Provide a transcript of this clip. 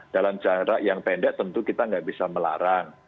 dalam jarak yang pendek tentu kita nggak bisa melarang